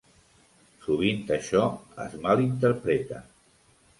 Sovint això es mal interpreta...